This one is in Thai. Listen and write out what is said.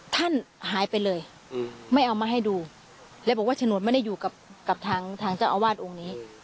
ท่านหายไปเลยไม่เอามาให้ดูและบอกว่าฉนวดไม่ได้อยู่กับทางเจ้าอาวาสองค์นี้